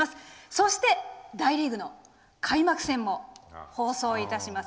そして、大リーグの開幕戦も放送いたします。